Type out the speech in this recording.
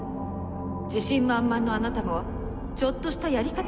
自信満々のあなたもちょっとしたやり方